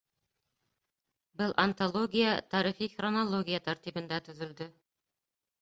Был антология тарихи хронология тәртибендә төҙөлдө.